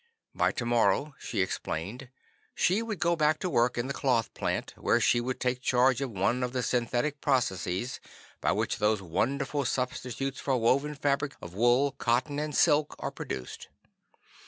But tomorrow, she explained, she would go back to work in the cloth plant, where she would take charge of one of the synthetic processes by which those wonderful substitutes for woven fabrics of wool, cotton and silk are produced.